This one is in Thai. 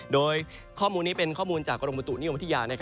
โดยข้อมูลนี้เป็นข้อมูลจากกรมประตูนิวอมที่ยาน